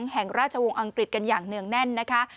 แห่งราชวงศ์อังกฤษกันอย่างเนื่องแน่นนะคะ